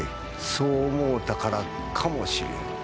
そう思うたからかもしれぬ。